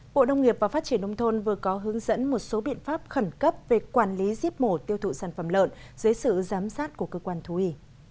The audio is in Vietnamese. bộ nông nghiệp và phát triển nông thôn vừa có hướng dẫn một số biện pháp khẩn cấp về quản lý giết mổ tiêu thụ sản phẩm lợn dưới sự giám sát của cơ quan thú y